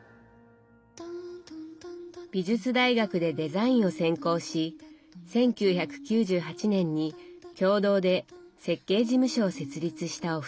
美術大学でデザインを専攻し１９９８年に共同で設計事務所を設立したお二人。